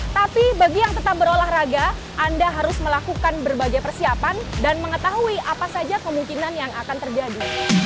tapi bagi yang tetap berolahraga anda harus melakukan berbagai persiapan dan mengetahui apa saja kemungkinan yang akan terjadi